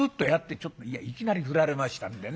「ちょっといやいきなり振られましたんでね